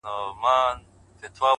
د خپل ښايسته خيال پر زرينه پاڼه،